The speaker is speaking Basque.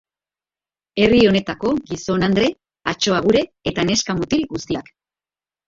Herri honetako gizon-andre, atso-agure eta neska-mutil guztiak.